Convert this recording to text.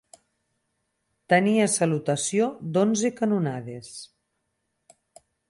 Tenia salutació d'onze canonades.